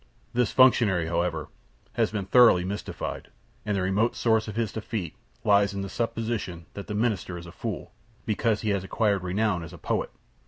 This functionary, however, has been thoroughly mystified; and the remote source of his defeat lies in the supposition that the Minister is a fool, because he has acquired renown as a poet.